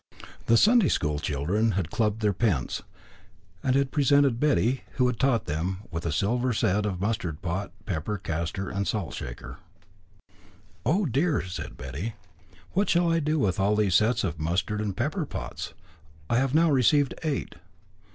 The Sunday school children had clubbed their pence, and had presented Betty, who had taught them, with a silver set of mustard pot, pepper caster, and salt cellar. "Oh, dear!" said Betty, "what shall I do with all these sets of mustard and pepper pots? I have now received eight."